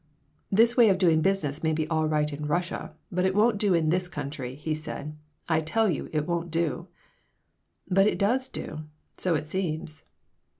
"This way of doing business may be all right in Russia, but it won't do in this country," he said. "I tell you, it won't do." "But it does do. So it seems."